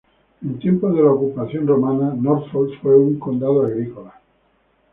En tiempos de la ocupación romana, Norfolk fue un condado agrícola.